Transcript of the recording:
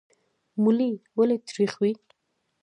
ملی ولې تریخ وي؟